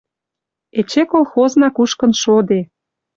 Эче колхозна кушкын шоде.